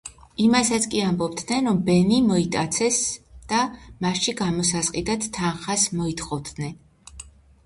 იმასაც კი ამბობდნენ, რომ ბენი მოიტაცეს და მასში გამოსასყიდ თანხას მოითხოვდნენ.